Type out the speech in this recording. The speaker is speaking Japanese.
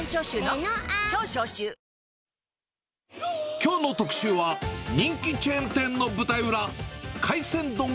きょうの特集は、人気チェーン店の舞台裏。